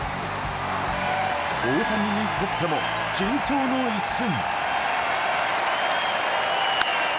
大谷にとっても緊張の一瞬。